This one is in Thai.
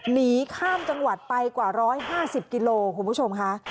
หนีข้ามจังหวัดไปกว่า๑๕๐กิโลคุณผู้ชมค่ะ